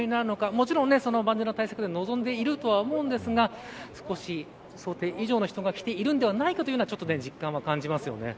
もちろん万全の対策で臨んでいると思うんですが少し、想定以上の人が来ているんではないかというような実感は感じます。